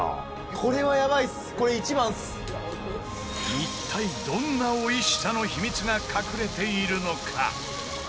一体、どんなおいしさの秘密が隠れているのか？